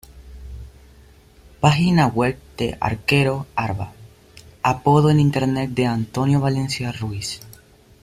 Página web de arquero_arba, apodo en Internet de Antonio Valencia Ruiz